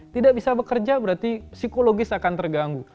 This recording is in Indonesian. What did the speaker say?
tidak bisa bekerja berarti psikologis akan terganggu